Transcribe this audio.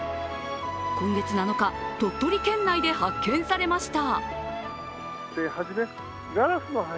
今月７日、鳥取県内で発見されました。